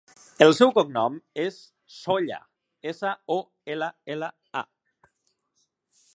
El seu cognom és Solla: essa, o, ela, ela, a.